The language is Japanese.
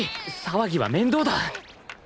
騒ぎは面倒だ！